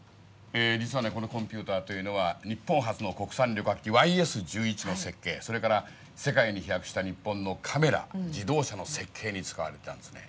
実はねこのコンピューターというのは日本初の国産旅客機「ＹＳ−１１」の設計それから世界に飛躍した日本のカメラ自動車の設計に使われてたんですね。